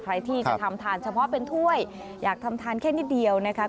ใครที่จะทำทานเฉพาะเป็นถ้วยอยากทำทานแค่นิดเดียวนะคะ